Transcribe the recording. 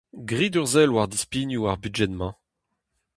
Grit ur sell war dispignoù ar budjed-mañ.